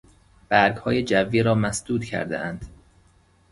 برگها جوی را مسدود کردهاند.